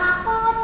oh enak banget